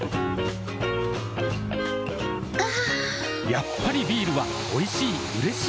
やっぱりビールはおいしい、うれしい。